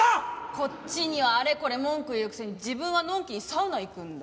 こっちにはあれこれ文句言うくせに自分はのんきにサウナ行くんだ。